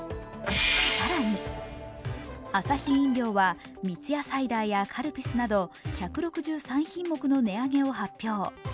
更にアサヒ飲料は三ツ矢サイダーやカルピスなど１６３品目の値上げを発表。